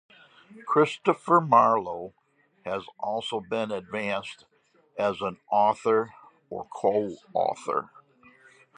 Christopher Marlowe has also been advanced as an author or co-author.